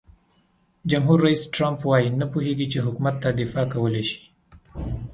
جمهور رئیس ټرمپ وایي نه پوهیږي چې حکومت دفاع کولای شي.